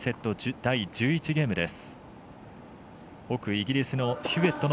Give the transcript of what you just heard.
第１１ゲームです。